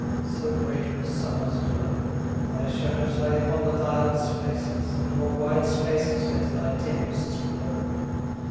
So great was Summer's glow: Thy shadows lay upon the dials' faces And o'er wide spaces let thy tempests blow.